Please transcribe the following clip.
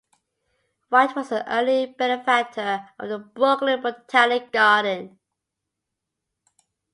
White was an early benefactor of the Brooklyn Botanic Garden.